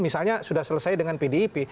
misalnya sudah selesai dengan pdip